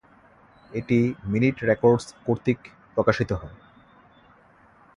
এটি Minit Records কর্তৃক প্রকাশিত হয়।